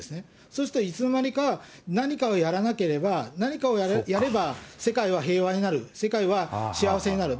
そうすると、いつのまにか何かをやらなければ、何をやれば、世界は平和になる、世界は幸せになる。